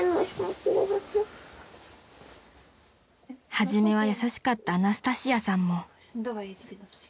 ［初めは優しかったアナスタシアさんも］